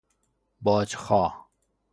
باج خواه